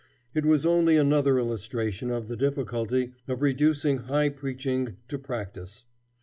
It was only another illustration of the difficulty of reducing high preaching to practice.